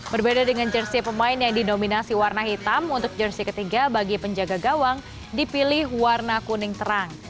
berbeda dengan jersi pemain yang didominasi warna hitam untuk jersi ketiga bagi penjaga gawang dipilih warna kuning terang